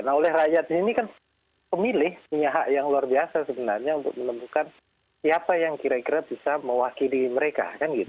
nah oleh rakyat ini kan pemilih punya hak yang luar biasa sebenarnya untuk menemukan siapa yang kira kira bisa mewakili mereka